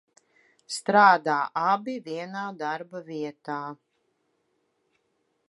Strādā abi vienā darba vietā